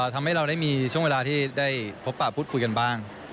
ทำให้เราได้มีช่วงเวลาที่ได้พบปะพูดคุยกันบ้าง